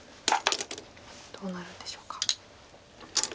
どうなるんでしょうか。